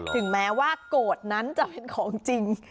ถึงแม้ว่าโกรธนั้นจะเป็นของจริง